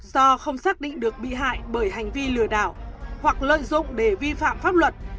do không xác định được bị hại bởi hành vi lừa đảo hoặc lợi dụng để vi phạm pháp luật